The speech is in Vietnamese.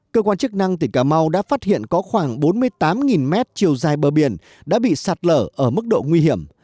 cơ quan chức năng tỉnh cà mau đã phát hiện có khoảng bốn mươi tám mét chiều dài bờ biển đã bị sạt lở ở mức độ nguy hiểm